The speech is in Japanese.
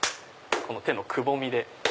この手のくぼみで。